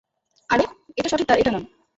আরে, এটা সঠিক তার এটা নয়।